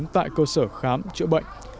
tại cơ sở khám chữa bệnh